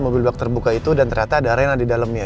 mobil bak terbuka itu dan ternyata ada arena di dalamnya